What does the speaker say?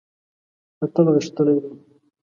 اتل غښتلی دی.